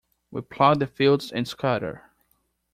We plough the fields and scatter.